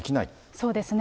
そうですね。